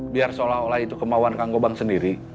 biar seolah olah itu kemauan kang gobang sendiri